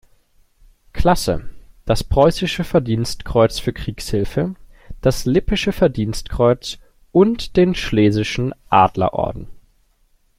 Klasse, das preußische Verdienstkreuz für Kriegshilfe, das Lippische Verdienstkreuz und den schlesischen Adler-Orden.